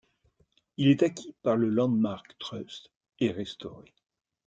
Il est acquis par le Landmark Trust et restauré.